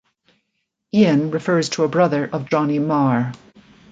"Ian" refers to a brother of Johnny Marr.